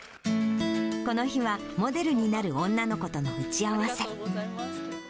この日は、モデルになる女の子との打ち合わせ。